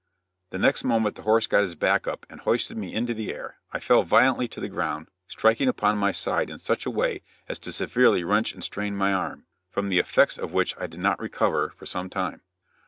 The next moment the horse got his back up and hoisted me into the air, I fell violently to the ground, striking upon my side in such a way as to severely wrench and strain my arm, from the effects of which I did not recover for some time.